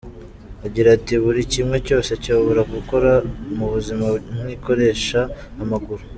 Aragira ati “Buri kimwe cyose cyobora gukora mu buzima nkikoresha amaguru.